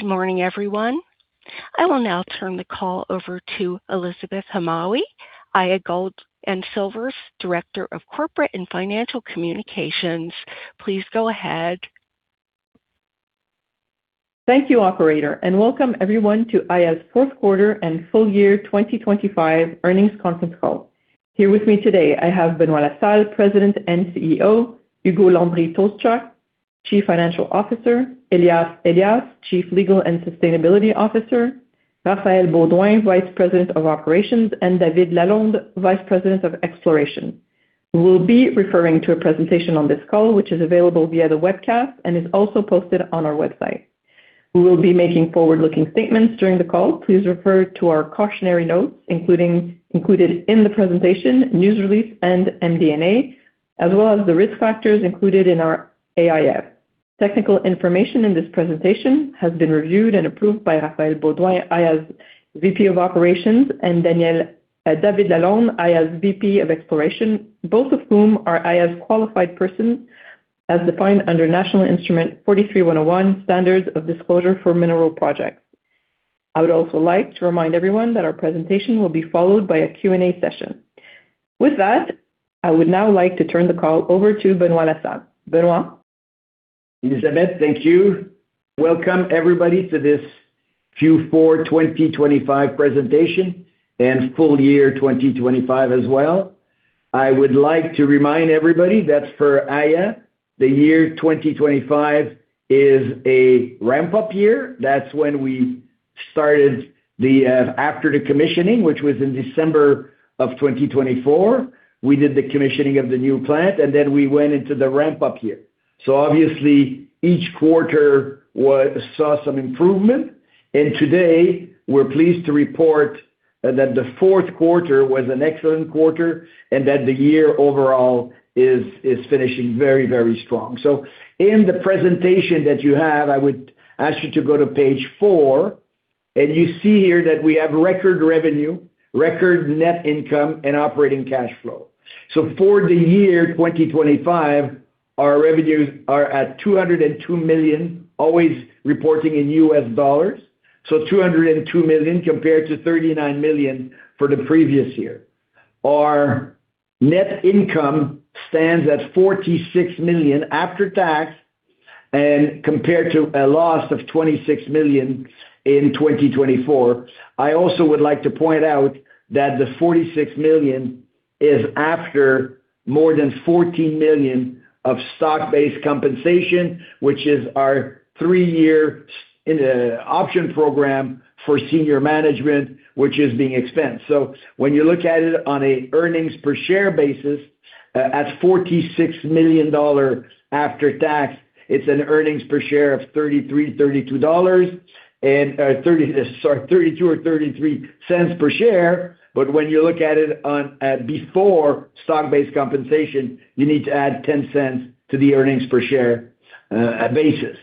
Good morning, everyone. I will now turn the call over to Elizabeth Hamaue, Aya Gold & Silver's Director of Corporate and Financial Communication. Please go ahead. Thank you, operator, and welcome everyone to Aya's Fourth Quarter and Full Year 2025 Earnings Conference Call. Here with me today, I have Benoit La Salle, President and CEO, Ugo Landry-Tolszczuk, Chief Financial Officer, Elias Elias, Chief Legal and Sustainability Officer, Raphaël Beaudoin, Vice President of Operations, and David Lalonde, Vice President of Exploration. We will be referring to a presentation on this call, which is available via the webcast and is also posted on our website. We will be making forward-looking statements during the call. Please refer to our cautionary notes, included in the presentation, news release and MD&A, as well as the risk factors included in our AIF. Technical information in this presentation has been reviewed and approved by Raphael Beaudoin, Aya's VP of Operations, and David Lalonde, Aya's VP of Exploration, both of whom are Aya's qualified persons as defined under National Instrument 43-101 Standards of Disclosure for Mineral Projects. I would also like to remind everyone that our presentation will be followed by a Q&A session. With that, I would now like to turn the call over to Benoit La Salle. Benoit? Elizabeth, thank you. Welcome everybody to this Q4 2025 presentation and full year 2025 as well. I would like to remind everybody that for Aya, the year 2025 is a ramp-up year. That's when we started after the commissioning, which was in December of 2024. We did the commissioning of the new plant, and then we went into the ramp-up year. Obviously, each quarter saw some improvement. Today, we're pleased to report that the fourth quarter was an excellent quarter and that the year overall is finishing very, very strong. In the presentation that you have, I would ask you to go to page four, and you see here that we have record revenue, record net income and operating cash flow. For the year 2025, our revenues are at $202 million, always reporting in US dollars. $202 million compared to $39 million for the previous year. Our net income stands at $46 million after tax and compared to a loss of $26 million in 2024. I also would like to point out that the $46 million is after more than $14 million of stock-based compensation, which is our three-year option program for senior management, which is being expensed. When you look at it on a earnings per share basis, at $46 million after tax, it's an earnings per share of $0.32 or $0.33 per share. When you look at it on before stock-based compensation, you need to add $0.10 to the earnings per share basis.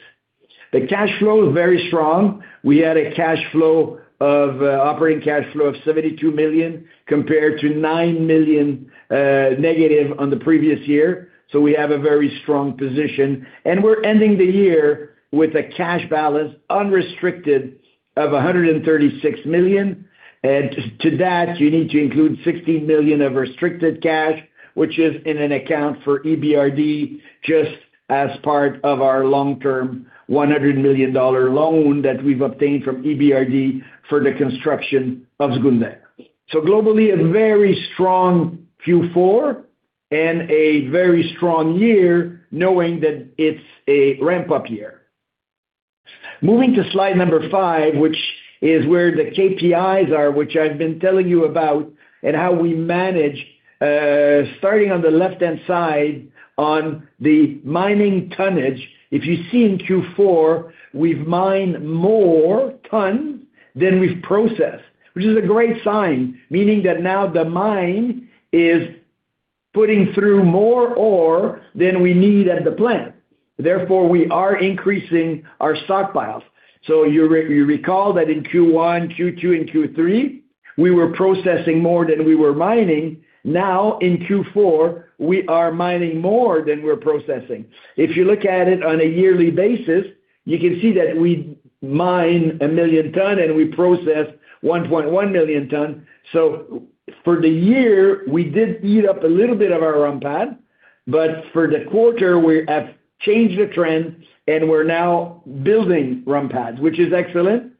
The cash flow is very strong. We had a cash flow of operating cash flow of $72 million compared to -$9 million on the previous year. We have a very strong position, and we're ending the year with a cash balance unrestricted of $136 million. To that, you need to include $16 million of restricted cash, which is in an account for EBRD, just as part of our long-term $100 million loan that we've obtained from EBRD for the construction of Zgounder. Globally, a very strong Q4 and a very strong year, knowing that it's a ramp-up year. Moving to slide five, which is where the KPIs are, which I've been telling you about and how we manage, starting on the left-hand side on the mining tonnage. If you see in Q4, we've mined more tons than we've processed, which is a great sign, meaning that now the mine is putting through more ore than we need at the plant. Therefore, we are increasing our stockpiles. You recall that in Q1, Q2 and Q3, we were processing more than we were mining. Now, in Q4, we are mining more than we're processing. If you look at it on a yearly basis, you can see that we mine 1 million tons and we process 1.1 million tons. For the year, we did eat up a little bit of our run pad, but for the quarter, we have changed the trend and we're now building run pads, which is excellent.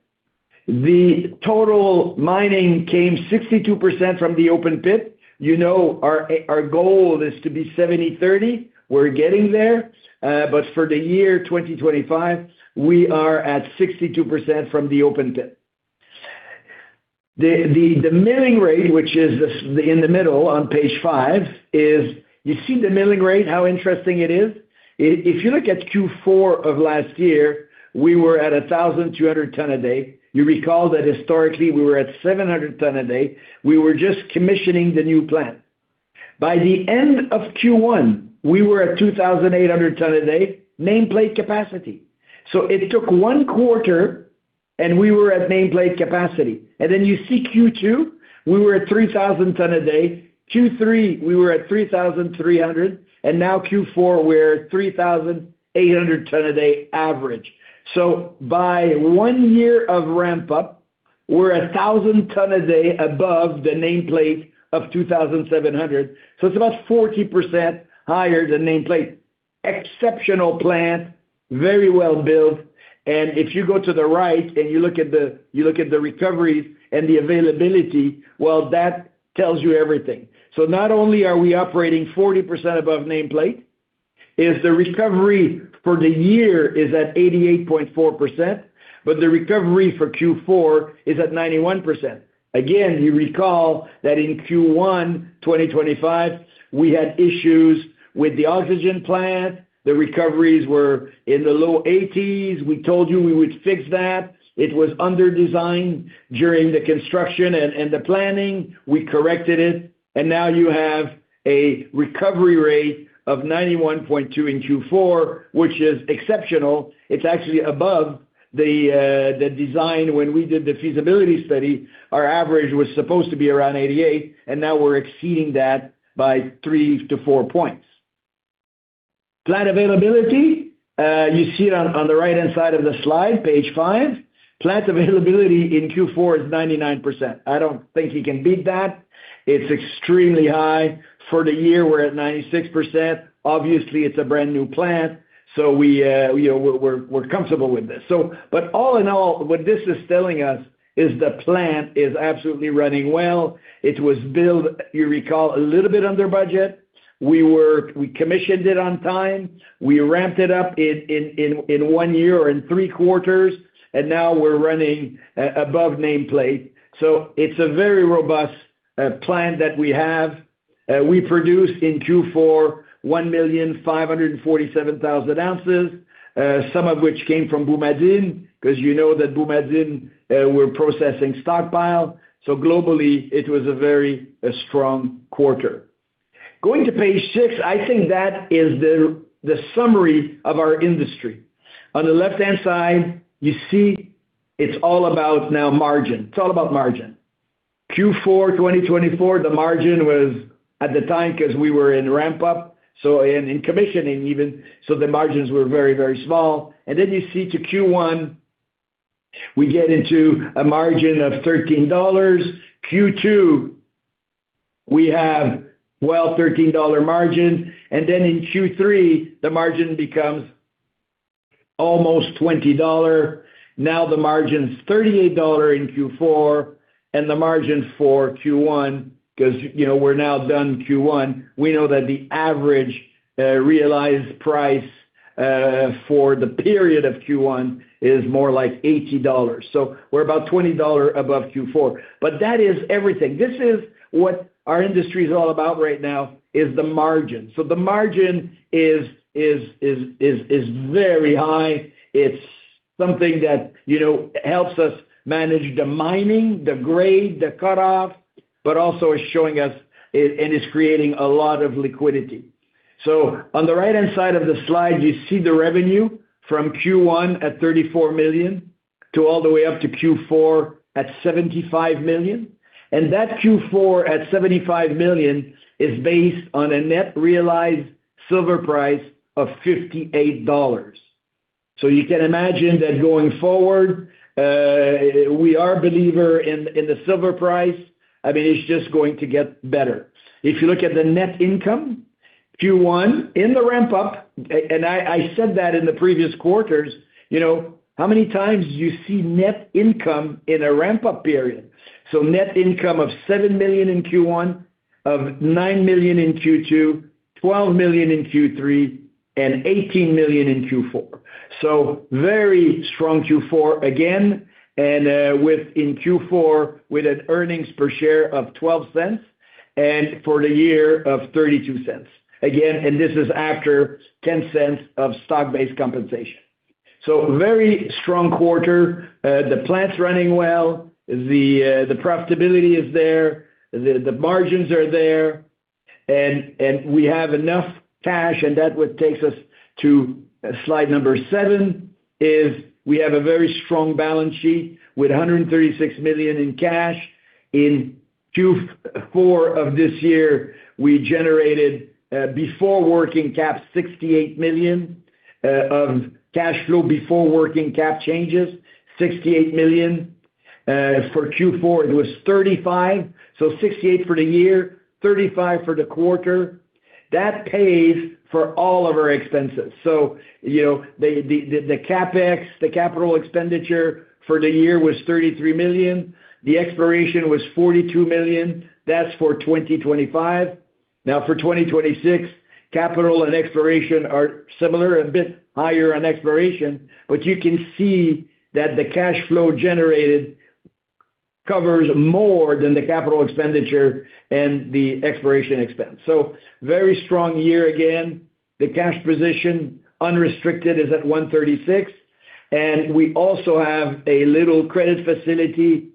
The total mining came 62% from the open pit. You know our goal is to be 70/30. We're getting there. But for the year 2025, we are at 62% from the open pit. The milling rate, which is in the middle on page five, is. You see the milling rate, how interesting it is? If you look at Q4 of last year, we were at 1,200 tons a day. You recall that historically we were at 700 tons a day. We were just commissioning the new plant. By the end of Q1, we were at 2,800 tons a day nameplate capacity. We were at nameplate capacity. You see Q2, we were at 3,000 tons a day. Q3, we were at 3,300. Now Q4, we're at 3,800 tons a day average. By one year of ramp up, we're 1,000 tons a day above the nameplate of 2,700. It's about 40% higher than nameplate. Exceptional plant, very well built. If you go to the right and you look at the recoveries and the availability, well, that tells you everything. Not only are we operating 40% above nameplate, the recovery for the year is at 88.4%, but the recovery for Q4 is at 91%. Again, you recall that in Q1 2025, we had issues with the oxygen plant. The recoveries were in the low 80s. We told you we would fix that. It was under-designed during the construction and the planning. We corrected it. Now you have a recovery rate of 91.2 in Q4, which is exceptional. It's actually above the design. When we did the feasibility study, our average was supposed to be around 88, and now we're exceeding that by three to four points. Plant availability, you see it on the right-hand side of the slide, page five. Plant availability in Q4 is 99%. I don't think you can beat that. It's extremely high. For the year, we're at 96%. Obviously, it's a brand-new plant, so we, you know, we're comfortable with this. But all in all, what this is telling us is the plant is absolutely running well. It was built, you recall, a little bit under budget. We commissioned it on time. We ramped it up in one year or in three quarters, and now we're running above nameplate. It's a very robust plant that we have. We produced in Q4 1,547,000 ounces, some of which came from Boumadine, because you know that Boumadine, we're processing stockpile. Globally, it was a very strong quarter. Going to page six, I think that is the summary of our industry. On the left-hand side, you see it's all about now margin. It's all about margin. Q4 2024, the margin was at the time because we were in ramp up, so in commissioning even, so the margins were very, very small. Then you see to Q1, we get into a margin of $13. Q2, we have, well, $13 margin. Then in Q3, the margin becomes almost $20. Now the margin's $38 in Q4, and the margin for Q1, because, you know, we're now done Q1, we know that the average realized price for the period of Q1 is more like $80. We're about $20 above Q4. That is everything. This is what our industry is all about right now, is the margin. The margin is very high. It's something that, you know, helps us manage the mining, the grade, the cutoff, but also is showing us and it's creating a lot of liquidity. On the right-hand side of the slide, you see the revenue from Q1 at $34 million to all the way up to Q4 at $75 million. That Q4 at $75 million is based on a net realized silver price of $58. You can imagine that going forward, we are a believer in the silver price. I mean, it's just going to get better. If you look at the net income, Q1 in the ramp up, and I said that in the previous quarters, you know, how many times do you see net income in a ramp-up period? Net income of $7 million in Q1, of $9 million in Q2, $12 million in Q3, and $18 million in Q4. Very strong Q4 again, and with in Q4 with an earnings per share of $0.12 and for the year of $0.32. Again, and this is after $0.10 of stock-based compensation. Very strong quarter. The plant's running well. The profitability is there. The margins are there. And we have enough cash, and that what takes us to slide number seven, is we have a very strong balance sheet with $136 million in cash. In Q4 of this year, we generated before working cap $68 million of cash flow before working cap changes, $68 million. For Q4, it was $35 million. $68 million for the year, $35 million for the quarter. That pays for all of our expenses. You know, the CapEx, the capital expenditure for the year was $33 million. The exploration was $42 million. That's for 2025. Now, for 2026, capital and exploration are similar, a bit higher on exploration. But you can see that the cash flow generated covers more than the capital expenditure and the exploration expense. Very strong year again. The cash position unrestricted is at $136 million. We also have a little credit facility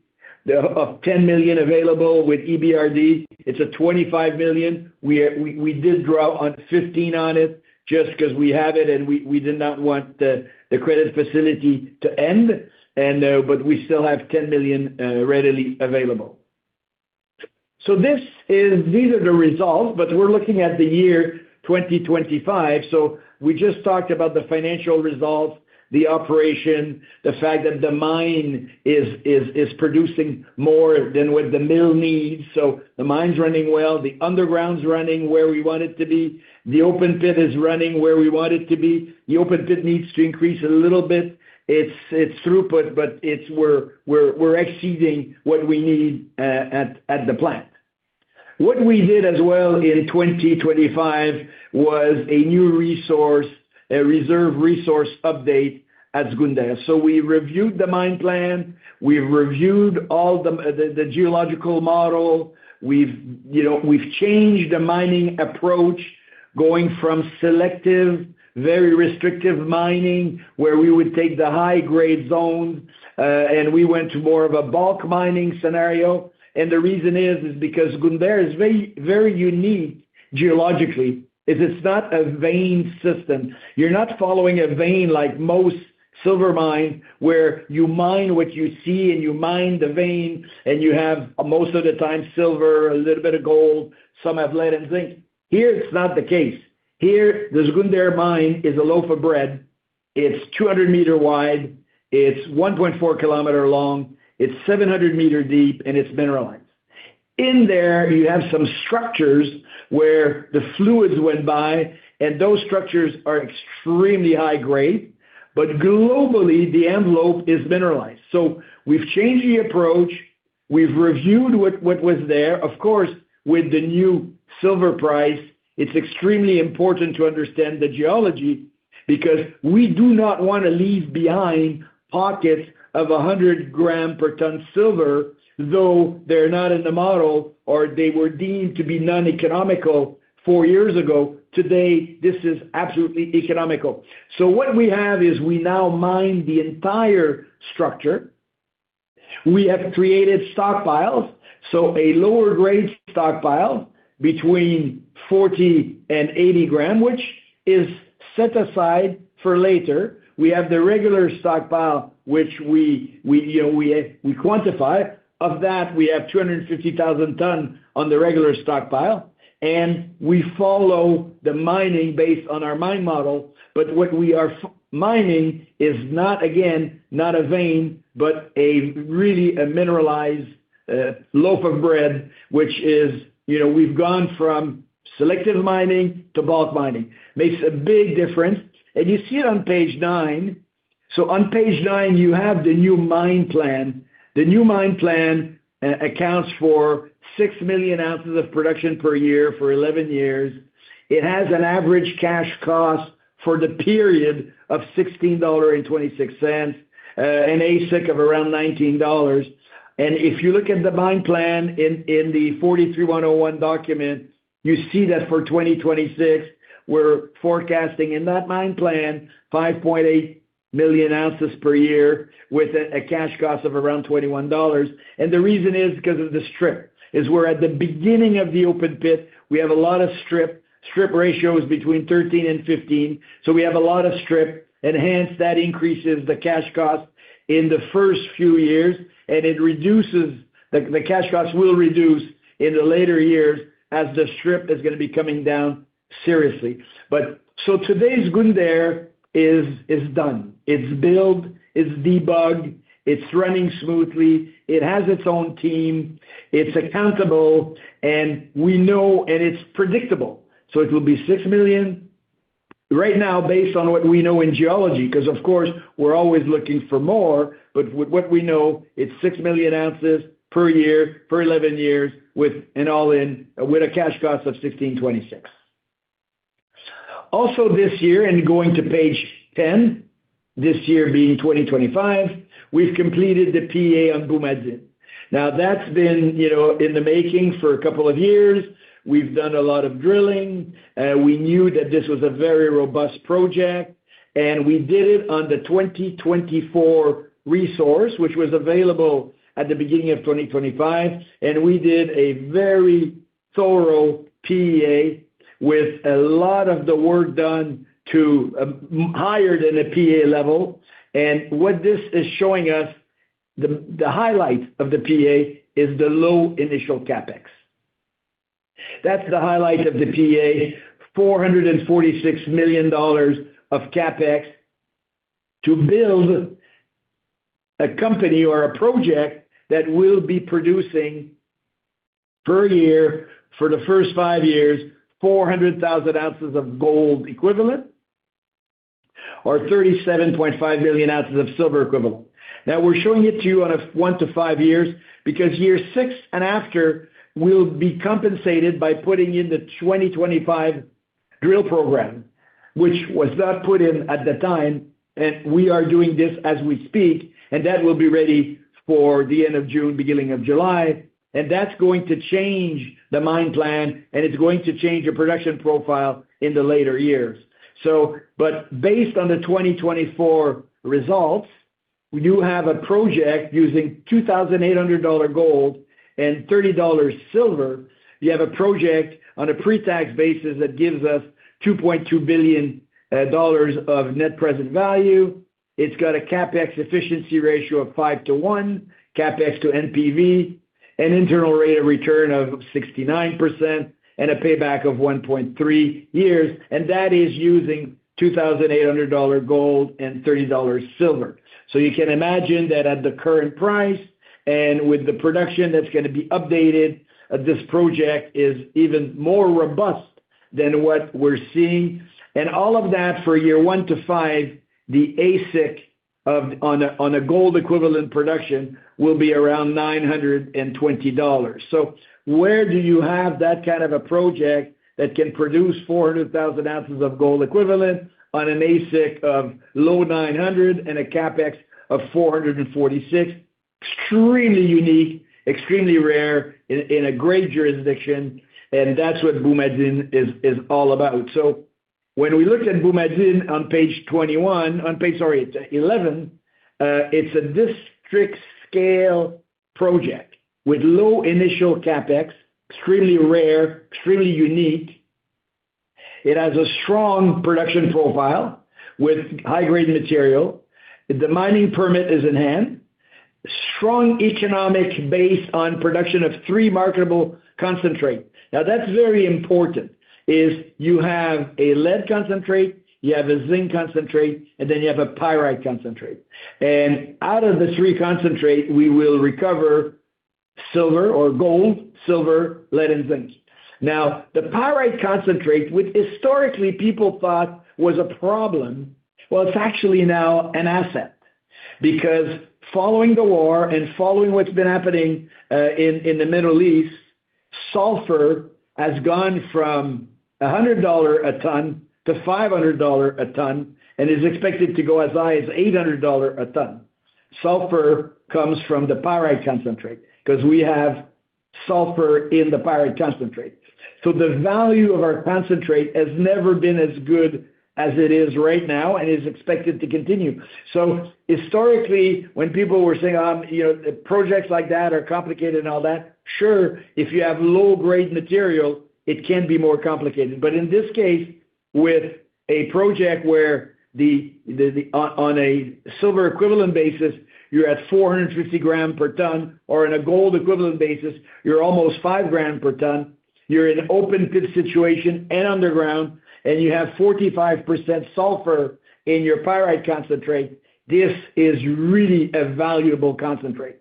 of $10 million available with EBRD, it's a $25 million. We did draw on $15 million on it just because we have it, and we did not want the credit facility to end, but we still have $10 million readily available. These are the results, but we're looking at the year 2025. We just talked about the financial results, the operation, the fact that the mine is producing more than what the mill needs. The mine's running well, the underground's running where we want it to be. The open pit is running where we want it to be. The open pit needs to increase a little bit its throughput, but we're exceeding what we need at the plant. What we did as well in 2025 was a new resource and reserve update at Zgounder. We reviewed the mine plan, we reviewed the geological model. We've, you know, changed the mining approach going from selective, very restrictive mining, where we would take the high-grade zone, and we went to more of a bulk mining scenario. The reason is because Zgounder is very, very unique geologically. It's not a vein system. You're not following a vein like most silver mines, where you mine what you see and you mine the vein, and you have most of the time silver, a little bit of gold, some have lead and zinc. Here, it's not the case. Here, this Zgounder mine is a loaf of bread. It's 200 m wide, it's 1.4 km long, it's 700 m deep, and it's mineralized. In there, you have some structures where the fluids went by, and those structures are extremely high grade. But globally, the envelope is mineralized. So we've changed the approach. We've reviewed what was there. Of course, with the new silver price, it's extremely important to understand the geology because we do not want to leave behind pockets of 100 g per ton silver, though they're not in the model or they were deemed to be uneconomic four years ago. Today, this is absolutely economical. What we have is we now mine the entire structure. We have created stockpiles, so a lower grade stockpile between 40 g and 80 g, which is set aside for later. We have the regular stockpile, which we, you know, quantify. Of that, we have 250,000 ton on the regular stockpile. We follow the mining based on our mine model, but what we are mining is not, again, not a vein, but really a mineralized loaf of bread, which is, you know, we've gone from selective mining to bulk mining. Makes a big difference. You see it on page nine. On page nine, you have the new mine plan. The new mine plan accounts for 6 million ounces of production per year for 11 years. It has an average cash cost for the period of $16.26, an AISC of around $19. If you look at the mine plan in the 43-101 document, you see that for 2026, we're forecasting in that mine plan 5.8 million ounces per year with a cash cost of around $21. The reason is because of the strip, we're at the beginning of the open pit. We have a lot of strip. Strip ratio is between 13 and 15. We have a lot of strip, and hence, that increases the cash cost in the first few years, and the cash costs will reduce in the later years as the strip is going to be coming down seriously. Today's Zgounder is done. It's built, it's debugged, it's running smoothly. It has its own team. It's accountable, and it's predictable. It will be 6 million right now based on what we know in geology, because, of course, we're always looking for more. But with what we know, it's 6 million ounces per year for 11 years with an all-in, with a cash cost of $16.26. Also this year, and going to page 10, this year being 2025, we've completed the PEA on Boumadine. Now that's been, you know, in the making for a couple of years. We've done a lot of drilling. We knew that this was a very robust project, and we did it on the 2024 resource, which was available at the beginning of 2025. We did a very thorough PEA with a lot of the work done to higher than a PEA level. What this is showing us, the highlight of the PEA is the low initial CapEx. That's the highlight of the PEA, $446 million of CapEx to build a company or a project that will be producing per year for the first five years, 400,000 ounces of gold equivalent or 37.5 million ounces of silver equivalent. Now, we're showing it to you on a one to five year basis because year six and after will be compensated by putting in the 2025 drill program, which was not put in at the time. We are doing this as we speak, and that will be ready for the end of June, beginning of July. That's going to change the mine plan, and it's going to change the production profile in the later years. based on the 2024 results. When you have a project using $2,800 gold and $30 silver, you have a project on a pre-tax basis that gives us $2.2 billion of net present value. It's got a CapEx efficiency ratio of five to one, CapEx to NPV, an internal rate of return of 69% and a payback of 1.3 years. That is using $2,800 gold and $30 silver. You can imagine that at the current price and with the production that's goin to be updated, this project is even more robust than what we're seeing. All of that for year one to five, the AISC on a gold equivalent production will be around $920. Where do you have that kind of a project that can produce 400,000 ounces of gold equivalent on an AISC of low $900 and a CapEx of $446 million? Extremely unique, extremely rare in a great jurisdiction, and that's what Boumadine is all about. When we looked at Boumadine on page 11, it's a district scale project with low initial CapEx, extremely rare, extremely unique. It has a strong production profile with high-grade material. The mining permit is in hand. Strong economic base on production of three marketable concentrates. Now, that's very important. You have a lead concentrate, you have a zinc concentrate, and then you have a pyrite concentrate. Out of the three concentrates, we will recover silver and gold, silver, lead and zinc. Now, the pyrite concentrate, which historically people thought was a problem, well, it's actually now an asset. Because following the war and following what's been happening in the Middle East, sulfur has gone from $100 a ton to $500 a ton and is expected to go as high as $800 a ton. Sulfur comes from the pyrite concentrate because we have sulfur in the pyrite concentrate. So the value of our concentrate has never been as good as it is right now and is expected to continue. So historically, when people were saying, "you know, projects like that are complicated," and all that, sure, if you have low-grade material, it can be more complicated. In this case, with a project where on a silver equivalent basis, you're at 450 g per ton or in a gold equivalent basis, you're almost 5 g per ton. You're in open pit situation and underground, and you have 45% sulfur in your pyrite concentrate. This is really a valuable concentrate.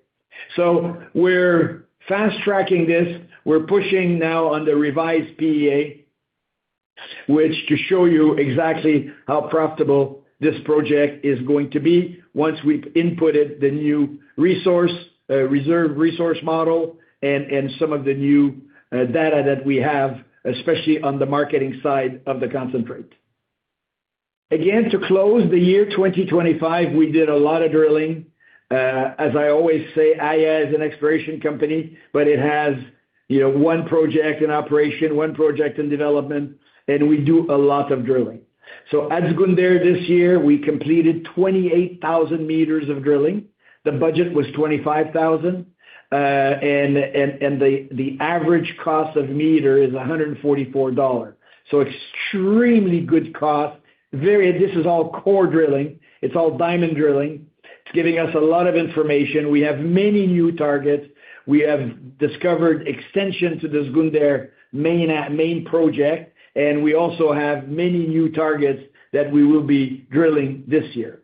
We're fast-tracking this. We're pushing now on the revised PEA, which to show you exactly how profitable this project is going to be once we've inputted the new resource reserve resource model and some of the new data that we have, especially on the marketing side of the concentrate. Again, to close the year 2025, we did a lot of drilling. As I always say, Aya is an exploration company, but it has, you know, one project in operation, one project in development, and we do a lot of drilling. At Zgounder this year, we completed 28,000 meters of drilling. The budget was 25,000. And the average cost per meter is $144. Extremely good cost. This is all core drilling. It's all diamond drilling. It's giving us a lot of information. We have many new targets. We have discovered extensions to the Zgounder main project, and we also have many new targets that we will be drilling this year.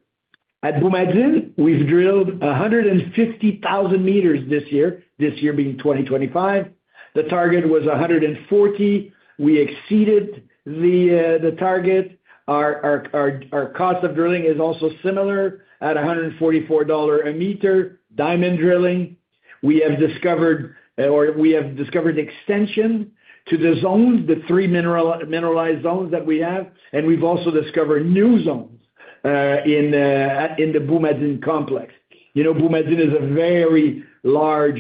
At Boumadine, we've drilled 150,000 m this year, this year being 2025. The target was 140,000 m. We exceeded the target. Our cost of drilling is also similar at $144 a meter, diamond drilling. We have discovered extension to the zones, the three mineralized zones that we have, and we've also discovered new zones in the Boumadine complex. You know, Boumadine is a very large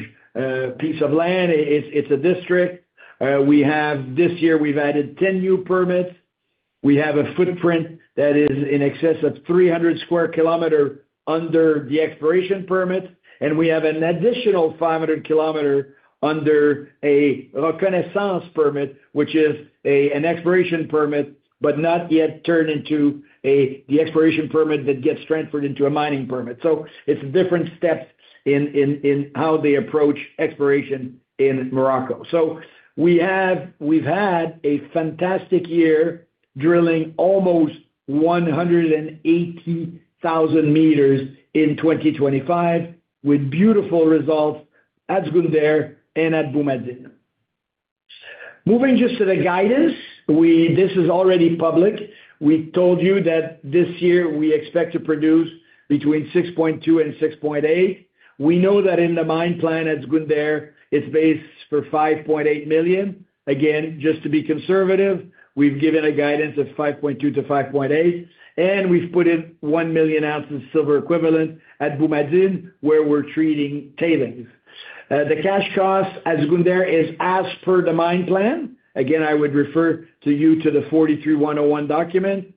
piece of land. It's a district. This year, we've added 10 new permits. We have a footprint that is in excess of 300 km2 under the exploration permit, and we have an additional 500 km under a reconnaissance permit, which is an exploration permit, but not yet turned into the exploration permit that gets transferred into a mining permit. It's different steps in how they approach exploration in Morocco. We have, we've had a fantastic year drilling almost 180,000 m in 2025 with beautiful results at Zgounder and at Boumadine. Moving just to the guidance. This is already public. We told you that this year we expect to produce between 6.2 and 6.8. We know that in the mine plan at Zgounder, it's based for 5.8 million. Again, just to be conservative, we've given a guidance of 5.2-5.8, and we've put in 1 million ounces silver equivalent at Boumadine, where we're treating tailings. The cash cost at Zgounder is as per the mine plan. Again, I would refer you to the 43-101 document,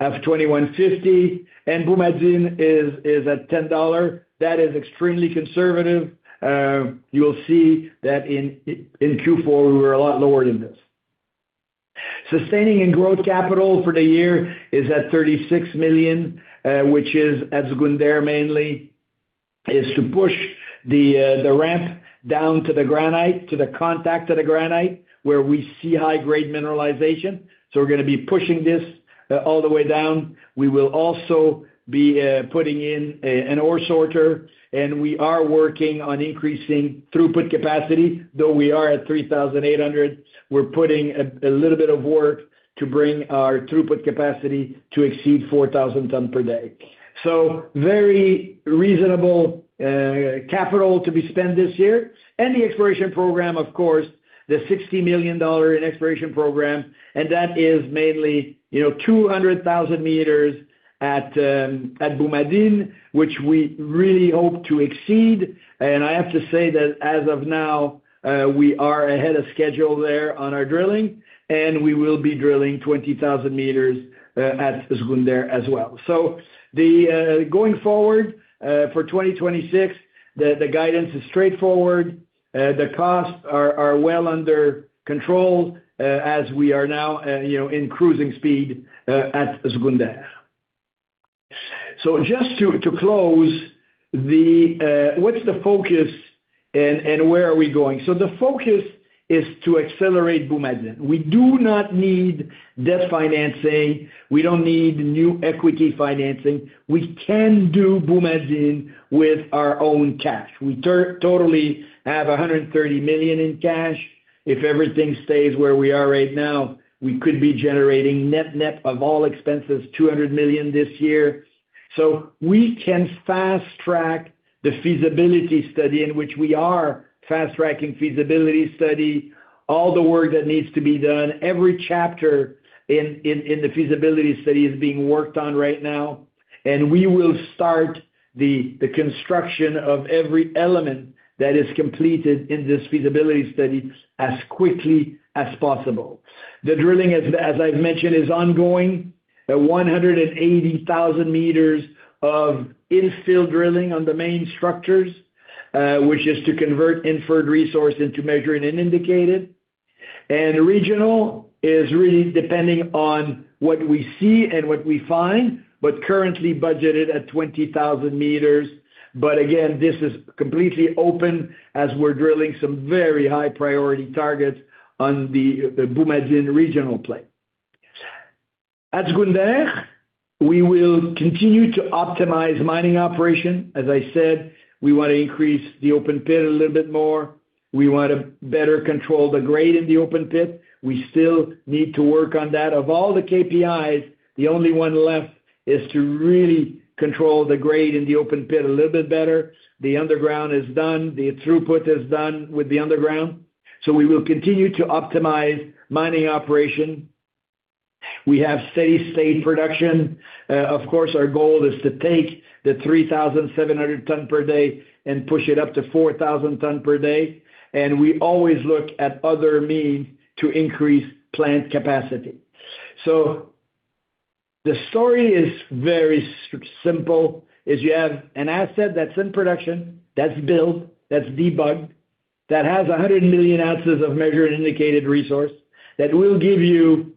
FS 2025, and Boumadine is at $10. That is extremely conservative. You'll see that in Q4, we were a lot lower than this. Sustaining and growth capital for the year is at $36 million, which is at Zgounder mainly to push the ramp down to the granite, to the contact of the granite, where we see high-grade mineralization. We're going to be pushing this all the way down. We will also be putting in an ore sorter, and we are working on increasing throughput capacity, though we are at 3,800. We're putting a little bit of work to bring our throughput capacity to exceed 4,000 tons per day. Very reasonable capital to be spent this year. The exploration program, of course, the $60 million exploration program, and that is mainly, you know, 200,000 meters at Boumadine, which we really hope to exceed. I have to say that as of now, we are ahead of schedule there on our drilling, and we will be drilling 20,000 m at Zgounder as well. Going forward for 2026, the guidance is straightforward. The costs are well under control as we are now, you know, in cruising speed at Zgounder. Just to close, what's the focus and where are we going? The focus is to accelerate Boumadine. We do not need debt financing. We don't need new equity financing. We can do Boumadine with our own cash. We totally have $130 million in cash. If everything stays where we are right now, we could be generating net-net of all expenses, $200 million this year. We can fast-track the feasibility study in which we are fast-tracking the feasibility study. All the work that needs to be done, every chapter in the feasibility study is being worked on right now. We will start the construction of every element that is completed in this feasibility study as quickly as possible. The drilling, as I've mentioned, is ongoing, at 180,000 m of infill drilling on the main structures, which is to convert inferred resource into measured and indicated. Regional is really depending on what we see and what we find, but currently budgeted at 20,000 m. Again, this is completely open as we're drilling some very high priority targets on the Boumadine regional play. At Zgounder, we will continue to optimize mining operation. As I said, we want to increase the open pit a little bit more. We want to better control the grade in the open pit. We still need to work on that. Of all the KPIs, the only one left is to really control the grade in the open pit a little bit better. The underground is done. The throughput is done with the underground. We will continue to optimize mining operation. We have steady-state production. Of course, our goal is to take the 3,700 tons per day and push it up to 4,000 tons per day. We always look at other means to increase plant capacity. The story is very simple, is you have an asset that's in production, that's built, that's debugged, that has 100 million ounces of measured indicated resource, that will give you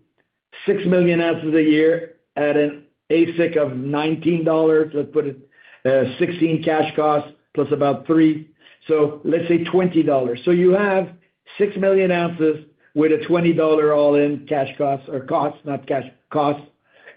6 million ounces a year at an AISC of $19, let's put it, 16 cash cost plus about three. Let's say $20. You have 6 million ounces with a $20 all-in cash costs or costs, not cash costs.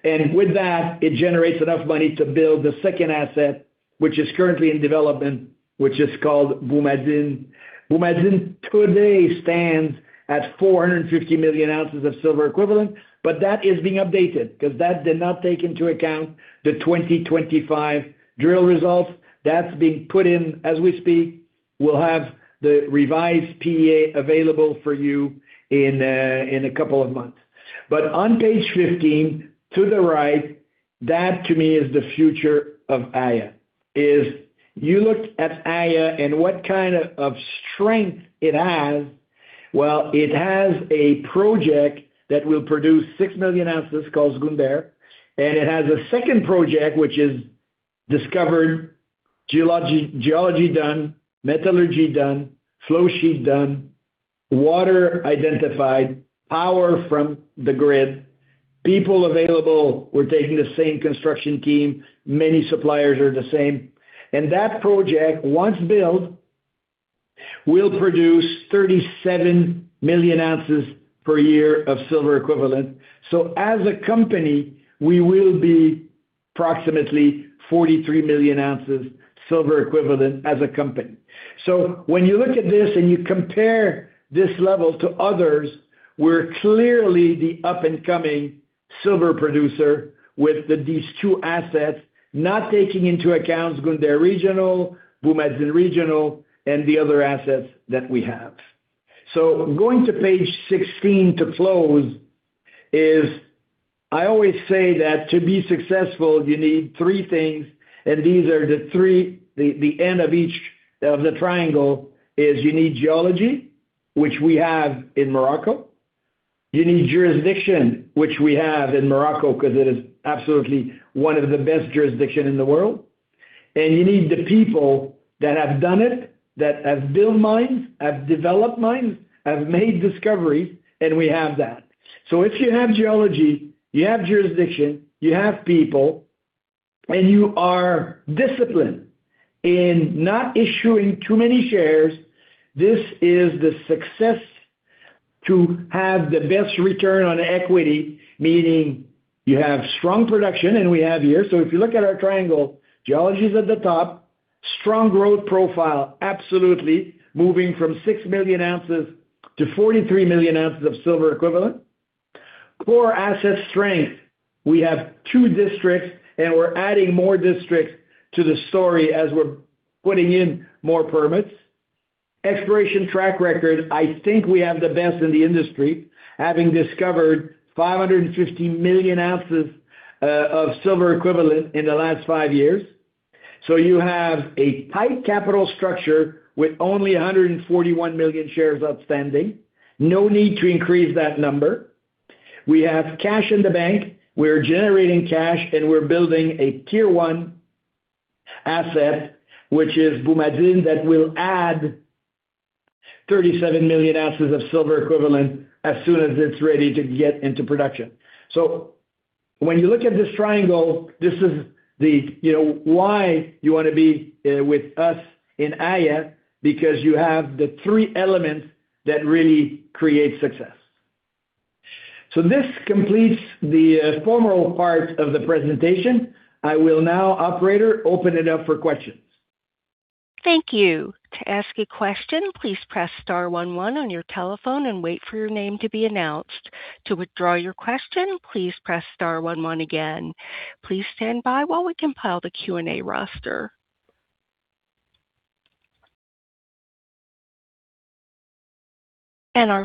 With that, it generates enough money to build the second asset, which is currently in development, which is called Boumadine. Boumadine today stands at 450 million ounces of silver equivalent, but that is being updated because that did not take into account the 2025 drill results. That's being put in as we speak. We'll have the revised PEA available for you in a couple of months. On page 15 to the right, that to me is the future of Aya, is you look at Aya and what kind of strength it has. Well, it has a project that will produce 6 million ounces called Zgounder, and it has a second project, which is discovered geology done, metallurgy done, flow sheet done, water identified, power from the grid, people available. We're taking the same construction team. Many suppliers are the same. And that project, once built, will produce 37 million ounces per year of silver equivalent. So as a company, we will be approximately 43 million ounces silver equivalent as a company. So when you look at this and you compare this level to others, we're clearly the up-and-coming silver producer with these two assets, not taking into account Zgounder regional, Boumadine regional, and the other assets that we have. Going to page 16 to close. As I always say, to be successful, you need three things, and these are the three, the ends of each of the triangle: you need geology, which we have in Morocco. You need jurisdiction, which we have in Morocco, because it is absolutely one of the best jurisdictions in the world. You need the people that have done it, that have built mines, have developed mines, have made discoveries, and we have that. If you have geology, you have jurisdiction, you have people, and you are disciplined in not issuing too many shares, this is the success to have the best return on equity, meaning you have strong production, and we have here. If you look at our triangle, geology is at the top. Strong growth profile, absolutely, moving from 6 million ounces to 43 million ounces of silver equivalent. Core asset strength. We have two districts, and we're adding more districts to the story as we're putting in more permits. Exploration track record, I think we have the best in the industry, having discovered 550 million ounces of silver equivalent in the last five years. You have a tight capital structure with only 141 million shares outstanding. No need to increase that number. We have cash in the bank. We're generating cash, and we're building a tier one asset, which is Boumadine, that will add 37 million ounces of silver equivalent as soon as it's ready to get into production. When you look at this triangle, this is, you know, why you want to be with us in Aya, because you have the three elements that really create success. This completes the formal part of the presentation. I will now, operator, open it up for questions. Our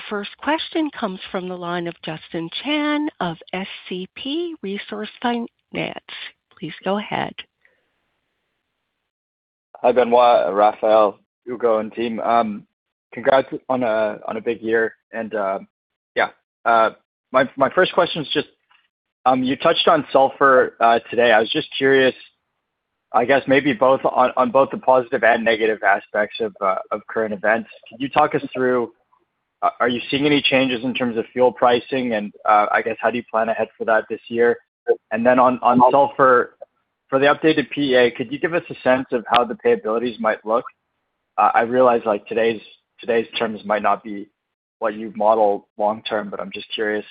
first question comes from the line of Justin Chan of SCP Resource Finance. Please go ahead. Hi, Benoit, Raphael, Ugo, and team. Congrats on a big year. My first question is just, you touched on sulfur today. I was just curious, I guess maybe both, on both the positive and negative aspects of current events. Could you talk us through, are you seeing any changes in terms of fuel pricing? I guess, how do you plan ahead for that this year? Then on sulfur, for the updated PEA, could you give us a sense of how the payabilities might look? I realize, like, today's terms might not be what you've modeled long term, but I'm just curious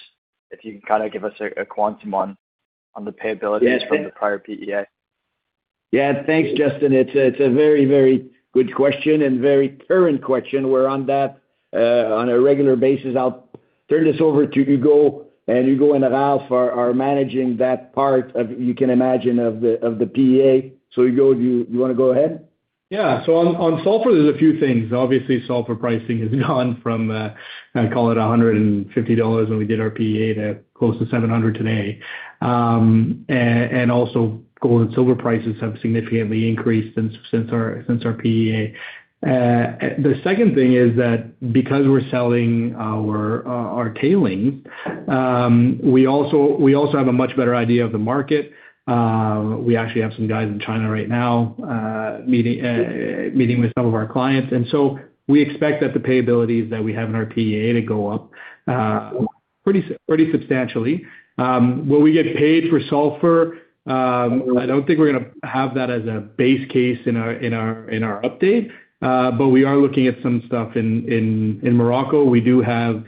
if you can kind of give us a quantum on the payabilities from the prior PEA. Yeah. Thanks, Justin. It's a very, very good question and very current question. We're on that on a regular basis. I'll turn this over to Ugo, and Ugo and Raphaël are managing that part of, you can imagine, of the PEA. Ugo, do you want to go ahead? Yeah. On sulfur, there's a few things. Obviously, sulfur pricing has gone from $150 when we did our PEA to close to $700 today. And also gold and silver prices have significantly increased since our PEA. The second thing is that because we're selling our tailings, we also have a much better idea of the market. We actually have some guys in China right now, meeting with some of our clients, and so we expect that the payables that we have in our PEA to go up pretty substantially. Will we get paid for sulfur? I don't think we're going to have that as a base case in our update, but we are looking at some stuff in Morocco. We do have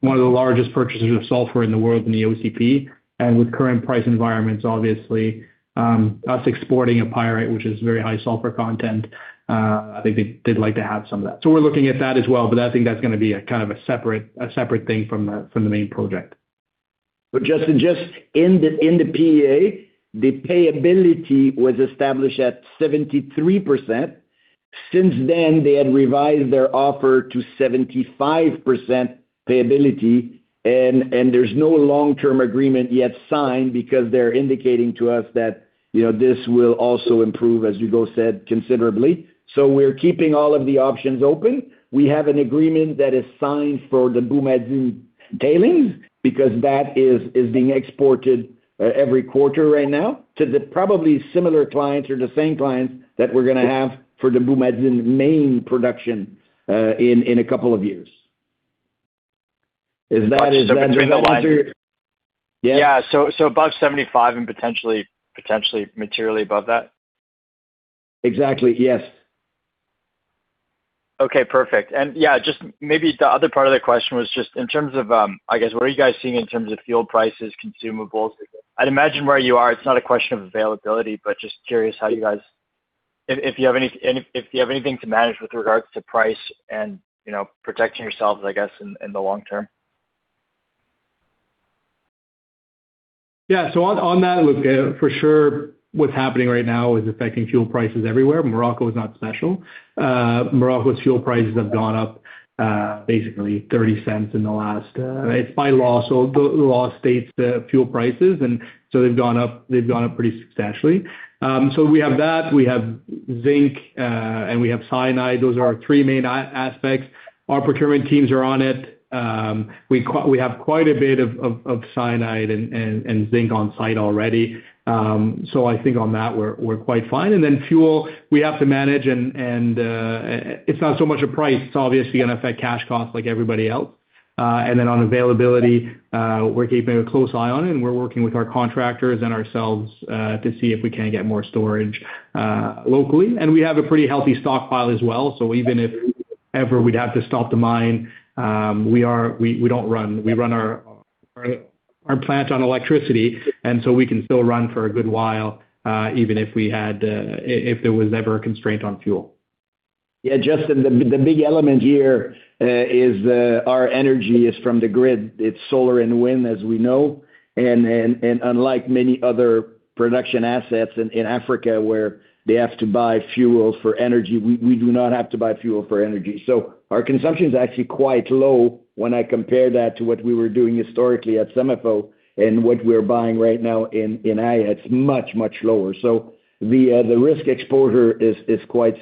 one of the largest purchasers of sulfur in the world in the OCP, and with current price environments, obviously, us exporting a pyrite, which is very high sulfur content, I think they'd like to have some of that. We're looking at that as well, but I think that's going to be a kind of a separate thing from the main project. Justin, just in the PEA, the payability was established at 73%. Since then, they had revised their offer to 75% payability, and there's no long-term agreement yet signed because they're indicating to us that, you know, this will also improve, as Ugo said, considerably. We're keeping all of the options open. We have an agreement that is signed for the Boumadine tailings because that is being exported every quarter right now to the probably similar clients or the same clients that we're going to have for the Boumadine main production in a couple of years. Is that- Yeah. Above 75 and potentially materially above that? Exactly. Yes. Okay. Perfect. Yeah, just maybe the other part of the question was just in terms of, I guess, what are you guys seeing in terms of fuel prices, consumables? I'd imagine where you are, it's not a question of availability, but just curious how you guys. If you have anything to manage with regards to price and, you know, protecting yourselves, I guess, in the long term. So on that, for sure what's happening right now is affecting fuel prices everywhere. Morocco is not special. Morocco's fuel prices have gone up basically $0.30 in the last. It's by law. The law states the fuel prices, and they've gone up pretty substantially. We have that. We have zinc and we have cyanide. Those are our three main aspects. Our procurement teams are on it. We have quite a bit of cyanide and zinc on site already. I think on that, we're quite fine. Then fuel, we have to manage, and it's not so much a price. It's obviously going to affect cash costs like everybody else. On availability, we're keeping a close eye on it, and we're working with our contractors and ourselves to see if we can get more storage locally. We have a pretty healthy stockpile as well. Even if ever we'd have to stop the mine, we don't run. We run our plant on electricity, and so we can still run for a good while, even if there was ever a constraint on fuel. Yeah, Justin, the big element here is our energy is from the grid. It's solar and wind, as we know. Unlike many other production assets in Africa where they have to buy fuel for energy, we do not have to buy fuel for energy. Our consumption is actually quite low when I compare that to what we were doing historically at SEMAFO and what we're buying right now in Aya. It's much lower. The risk exposure is quite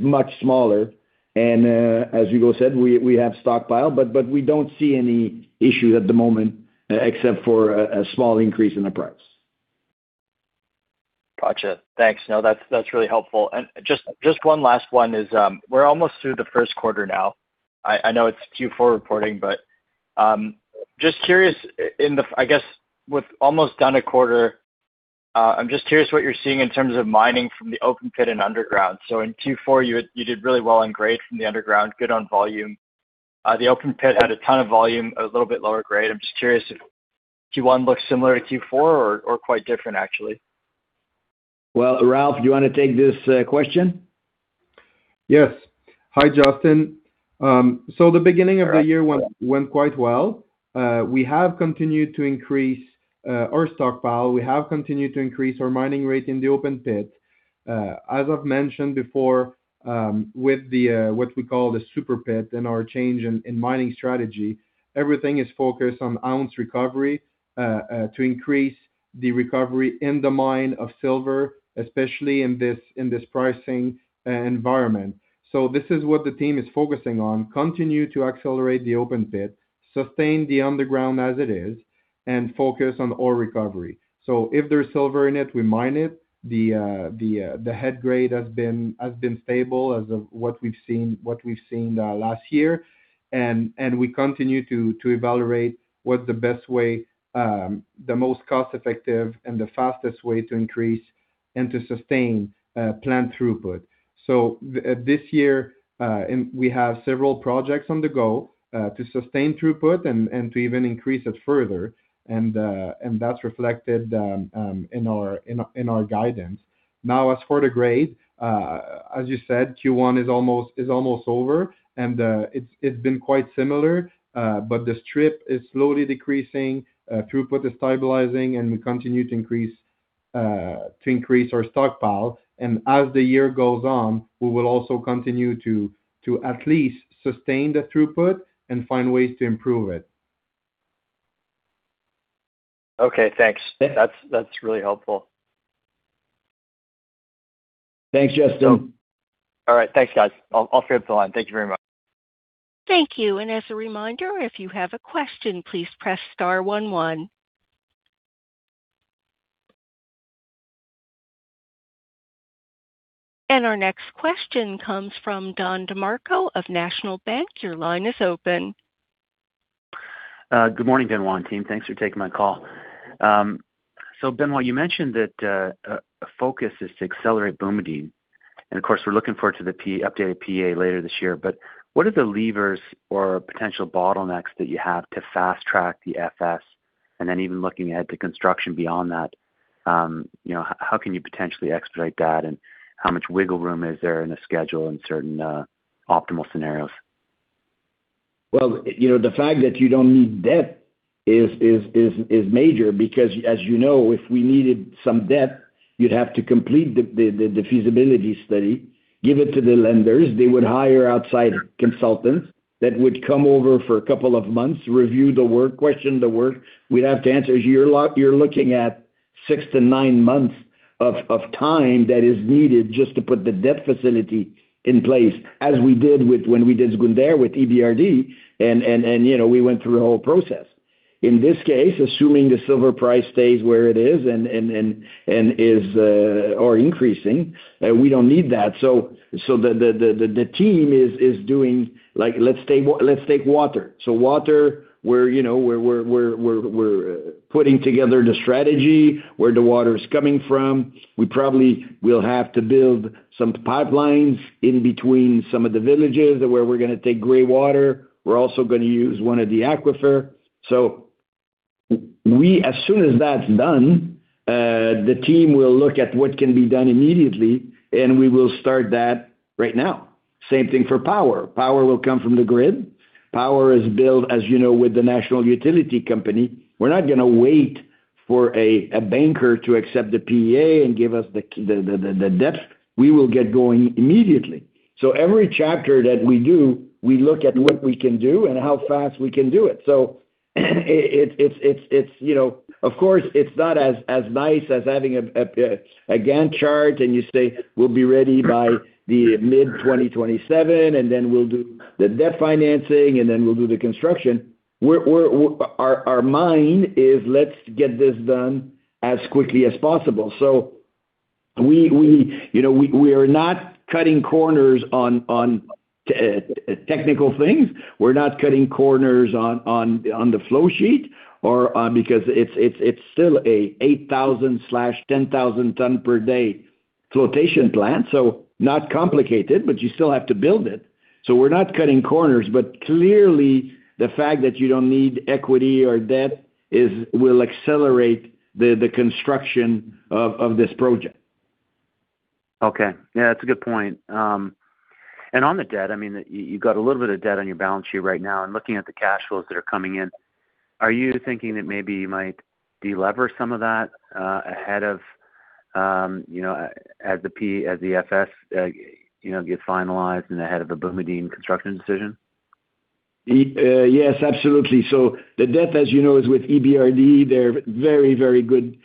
much smaller. As Ugo said, we have stockpile, but we don't see any issues at the moment except for a small increase in the price. Got you. Thanks. No, that's really helpful. Just one last one is, we're almost through the first quarter now. I know it's Q4 reporting, but just curious. I guess with almost a quarter done, I'm just curious what you're seeing in terms of mining from the open pit and underground. In Q4, you did really well on grade from the underground, good on volume. The open pit had a ton of volume, a little bit lower grade. I'm just curious if Q1 looks similar to Q4 or quite different actually. Well, Ralph, do you want to take this question? Yes. Hi, Justin. The beginning of the year went quite well. We have continued to increase our stockpile. We have continued to increase our mining rate in the open pit. As I've mentioned before, with what we call the Super Pit and our change in mining strategy, everything is focused on ounce recovery to increase the recovery in the mine of silver, especially in this pricing environment. This is what the team is focusing on, continue to accelerate the open pit, sustain the underground as it is, and focus on ore recovery. If there's silver in it, we mine it. The head grade has been stable as of what we've seen last year. We continue to evaluate what the best way, the most cost-effective and the fastest way to increase and to sustain plant throughput. This year, we have several projects on the go to sustain throughput and to even increase it further. That's reflected in our guidance. Now as for the grade, as you said, Q1 is almost over, and it's been quite similar, but the strip is slowly decreasing, throughput is stabilizing, and we continue to increase our stockpile. As the year goes on, we will also continue to at least sustain the throughput and find ways to improve it. Okay, thanks. That's really helpful. Thanks, Justin. All right. Thanks, guys. I'll stay on the line. Thank you very much. Thank you. As a reminder, if you have a question, please press star one one. Our next question comes from Don DeMarco of National Bank. Your line is open. Good morning, Benoit team. Thanks for taking my call. Benoit, you mentioned that a focus is to accelerate Boumadine, and of course, we're looking forward to the updated PEA later this year. What are the levers or potential bottlenecks that you have to fast-track the FS? And then even looking at the construction beyond that, you know, how can you potentially expedite that, and how much wiggle room is there in the schedule in certain optimal scenarios? Well, you know, the fact that you don't need debt is major because as you know, if we needed some debt, you'd have to complete the feasibility study, give it to the lenders. They would hire outside consultants that would come over for a couple of months, review the work, question the work. We'd have to answer. You're looking at six to nine months of time that is needed just to put the debt facility in place, as we did when we did Zgounder with EBRD, and you know, we went through a whole process. In this case, assuming the silver price stays where it is and is or increasing, we don't need that. The team is doing, like let's take water. Water, we're putting together the strategy where the water is coming from. We probably will have to build some pipelines in between some of the villages where we're going to take gray water. We're also going to use one of the aquifer. As soon as that's done, the team will look at what can be done immediately, and we will start that right now. Same thing for power. Power will come from the grid. Power is built, as you know, with the national utility company. We're not going to wait for a banker to accept the PEA and give us the debt. We will get going immediately. Every chapter that we do, we look at what we can do and how fast we can do it. It's, you know. Of course, it's not as nice as having a Gantt chart, and you say, "We'll be ready by mid-2027, and then we'll do the debt financing, and then we'll do the construction." Our mind is let's get this done as quickly as possible. We you know are not cutting corners on technical things. We're not cutting corners on the flow sheet or because it's still an 8,000/10,000-ton per day flotation plant, so not complicated, but you still have to build it. We're not cutting corners, but clearly the fact that you don't need equity or debt will accelerate the construction of this project. Okay. Yeah, that's a good point. On the debt, I mean, you've got a little bit of debt on your balance sheet right now and looking at the cash flows that are coming in. Are you thinking that maybe you might delever some of that, ahead of, you know, as the FS, you know, gets finalized and ahead of the Boumadine construction decision? Yes, absolutely. The debt, as you know, is with EBRD. They're very, very good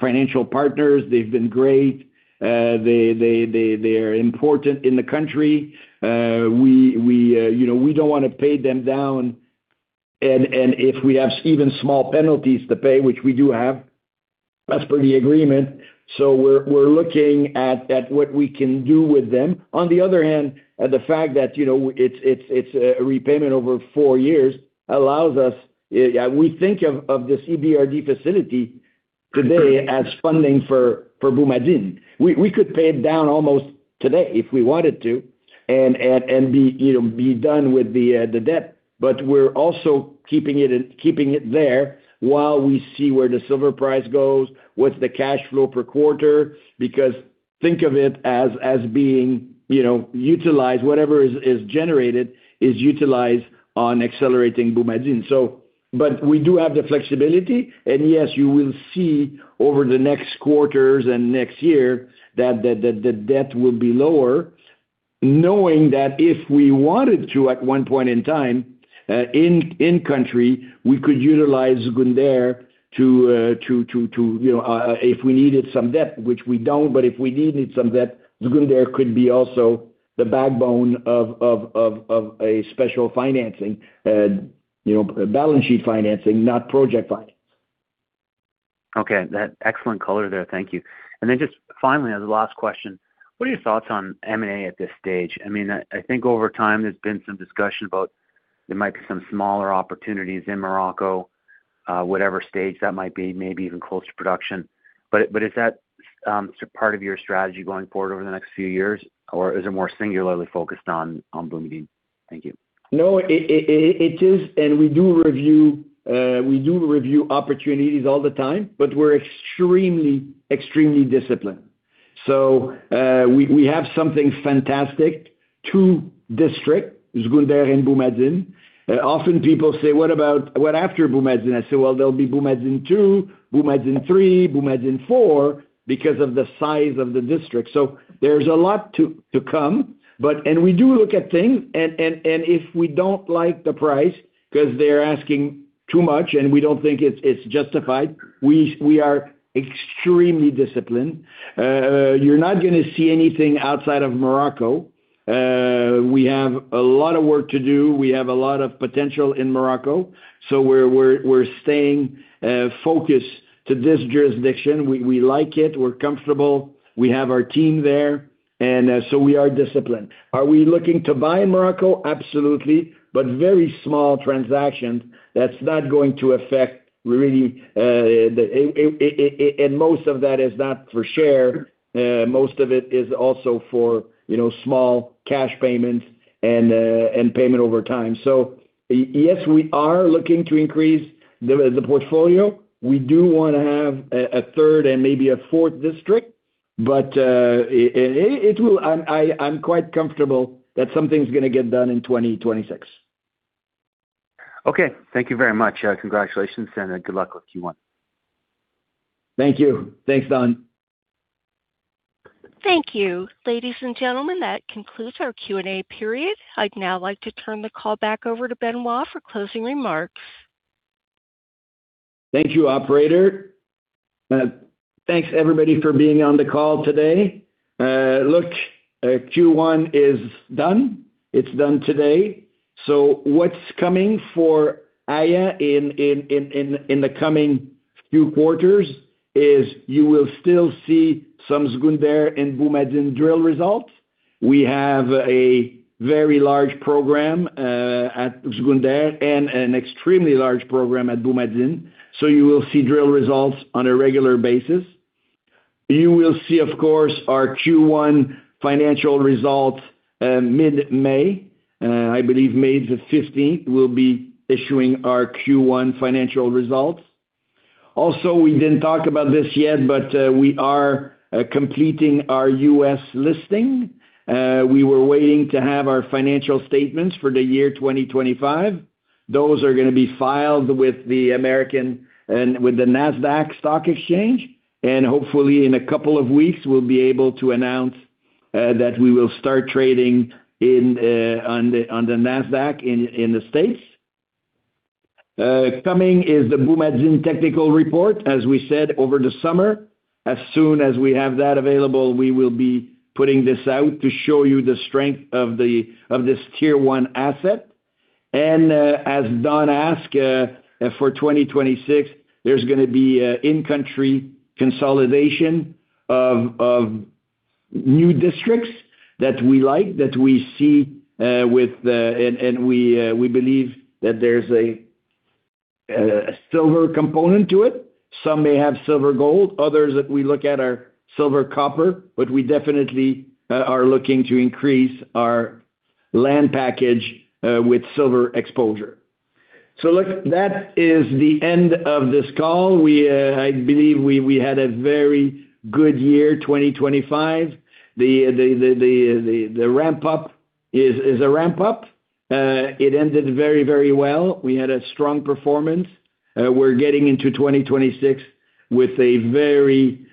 financial partners. They've been great. They're important in the country. You know, we don't want to pay them down and if we have even small penalties to pay, which we do have, that's per the agreement. We're looking at what we can do with them. On the other hand, the fact that, you know, it's a repayment over four years allows us. Yeah, we think of this EBRD facility today as funding for Boumadine. We could pay it down almost today if we wanted to and be done with the debt. We're also keeping it in. Keeping it there while we see where the silver price goes, what's the cash flow per quarter, because think of it as being, you know, utilized. Whatever is generated is utilized on accelerating Boumadine. But we do have the flexibility. Yes, you will see over the next quarters and next year that the debt will be lower, knowing that if we wanted to at one point in time in country, we could utilize Zgounder to you know if we needed some debt, which we don't, but if we needed some debt, Zgounder could be also the backbone of a special financing, you know, balance sheet financing, not project finance. Okay. That excellent color there. Thank you. Just finally, as a last question, what are your thoughts on M&A at this stage? I mean, I think over time there's been some discussion about there might be some smaller opportunities in Morocco, whatever stage that might be, maybe even close to production. But is that part of your strategy going forward over the next few years? Or is it more singularly focused on Boumadine? Thank you. No, it is, and we do review opportunities all the time, but we're extremely disciplined. We have something fantastic, two districts, Zgounder and Boumadine. Often people say, "What about... What after Boumadine?" I say, "Well, there'll be Boumadine two, Boumadine three, Boumadine four because of the size of the district." There's a lot to come. We do look at things and if we don't like the price because they're asking too much and we don't think it's justified, we are extremely disciplined. You're not going to see anything outside of Morocco. We have a lot of work to do. We have a lot of potential in Morocco. We're staying focused to this jurisdiction. We like it. We're comfortable. We have our team there. We are disciplined. Are we looking to buy in Morocco? Absolutely. Very small transactions that's not going to affect really the AISC, and most of that is not for shares. Most of it is also for, you know, small cash payments and payment over time. Yes, we are looking to increase the portfolio. We do want to have a third and maybe a fourth district. It will. I'm quite comfortable that something's going to get done in 2026. Okay. Thank you very much. Congratulations and good luck with Q1. Thank you. Thanks, Don. Thank you. Ladies and gentlemen, that concludes our Q&A period. I'd now like to turn the call back over to Benoit for closing remarks. Thank you, operator. Thanks everybody for being on the call today. Look, Q1 is done. It's done today. What's coming for Aya in the coming few quarters is you will still see some Zgounder and Boumadine drill results. We have a very large program at Zgounder and an extremely large program at Boumadine. You will see drill results on a regular basis. You will see, of course, our Q1 financial results mid-May. I believe May the 15th, we'll be issuing our Q1 financial results. Also, we didn't talk about this yet, but we are completing our U.S. listing. We were waiting to have our financial statements for the year 2025. Those are going to be filed with the American and with the Nasdaq stock exchange. Hopefully, in a couple of weeks, we'll be able to announce that we will start trading on the Nasdaq in the States. Coming is the Boumadine technical report, as we said, over the summer. As soon as we have that available, we will be putting this out to show you the strength of this tier one asset. As Don asked, for 2026, there's going to be an in-country consolidation of new districts that we like, that we see, with the. We believe that there's a silver component to it. Some may have silver gold, others that we look at are silver copper, but we definitely are looking to increase our land package with silver exposure. Look, that is the end of this call. I believe we had a very good year, 2025. The ramp up is a ramp up. It ended very well. We had a strong performance. We're getting into 2026 with a very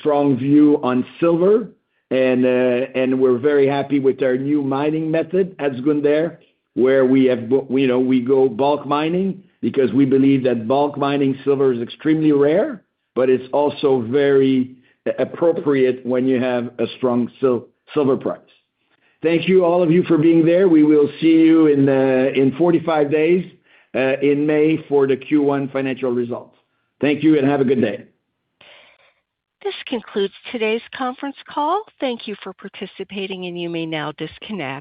strong view on silver. We're very happy with our new mining method at Zgounder, where we know we go bulk mining because we believe that bulk mining silver is extremely rare, but it's also very appropriate when you have a strong silver price. Thank you, all of you for being there. We will see you in 45 days, in May for the Q1 financial results. Thank you and have a good day. This concludes today's conference call. Thank you for participating, and you may now disconnect.